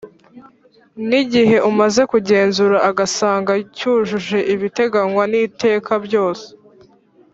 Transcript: nigihe umaze kugenzura agasanga cyujuje ibiteganywa n’iteka byose